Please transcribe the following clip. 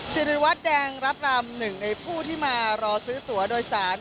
สิริวัตรแดงรับรำหนึ่งในผู้ที่มารอซื้อตัวโดยสาร